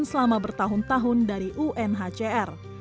dan selama bertahun tahun dari unhcr